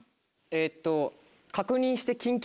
えっと。